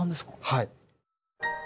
はい。